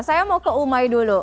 saya mau ke umai dulu